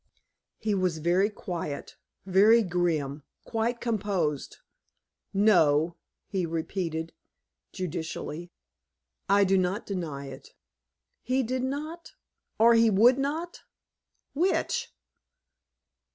He was very quiet, very grim, quite composed. "No," he repeated judicially. "I do not deny it." He did not? Or he would not? Which?